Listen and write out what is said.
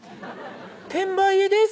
「転売絵です」